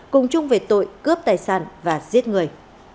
cùng chung về tội cướp tài sản và giết người